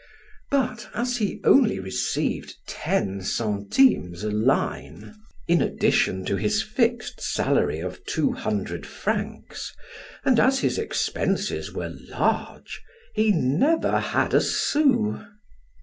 But as he only received ten centimes a line in addition to his fixed salary of two hundred francs and as his expenses were large, he never had a sou.